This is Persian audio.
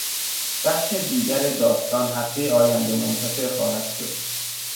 بخش دیگر داستان هفتهی آینده منتشر خواهد شد.